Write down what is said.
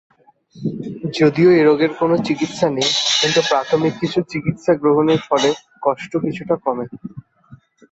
যদিও এ রোগের কোনো চিকিৎসা নেই কিন্তু প্রাথমিক কিছু চিকিৎসা গ্রহণের ফলে কষ্ট কিছুটা কমে।